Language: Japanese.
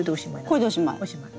これでおしまい。